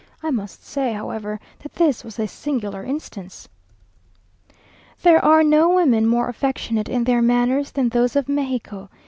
I must say, however, that this was a singular instance.... There are no women more affectionate in their manners than those of Mexico.